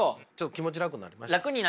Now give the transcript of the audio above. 気持ち楽になりました？